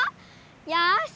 よし！